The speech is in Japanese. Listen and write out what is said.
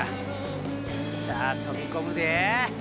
さあ飛び込むで！